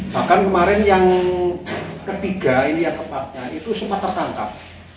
bahkan kemarin yang ketiga ini yang tepatnya itu sempat tertangkap